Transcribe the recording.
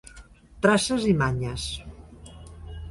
Traces i manyes.